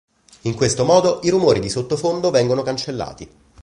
In questo modo i rumori di sottofondo vengono cancellati.